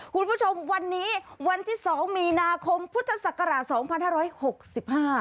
คุณผู้ชมวันนี้วันที่๒มีนาคมพุทธศักราช๒๕๖๕